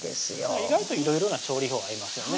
意外といろいろな調理法ありますよね